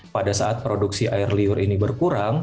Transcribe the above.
pada saat produksi air liur ini berkurang